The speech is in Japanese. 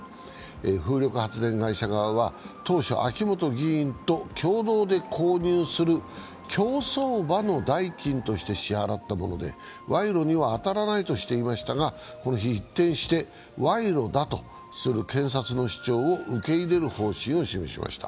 風力発電会社側は当初、秋本議員と共同で購入する競走馬の代金として支払ったもので賄賂には当たらないとしていましたが、この日、一転して賄賂だとする検察の主張を受け入れる方針を示しました。